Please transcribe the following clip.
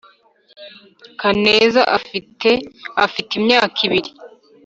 kaneza afite afite imyaka ibiri